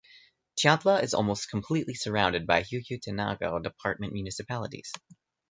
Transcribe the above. Chiantla is almost completely surrounded by Huehuetenango Department municipalities.